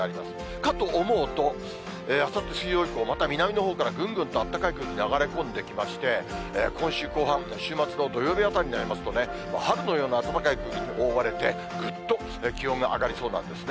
かと思うと、あさって水曜日も、また南のほうからぐんぐんとあったかい空気、流れ込んできまして、今週後半、週末の土曜日あたりになりますと、春のような暖かい空気に覆われて、ぐっと気温が上がりそうなんですね。